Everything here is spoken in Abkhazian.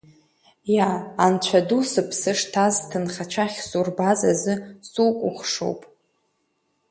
Иа, Анцәа ду сыԥсы шҭаз сҭынхацәа ахьысурбаз азы сукәыхшоуп…